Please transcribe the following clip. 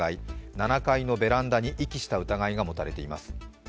７階のベランダに遺棄した疑いが持たれています。